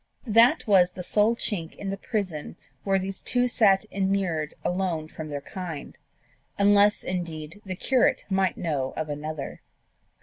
That was the sole chink in the prison where these two sat immured alone from their kind unless, indeed, the curate might know of another.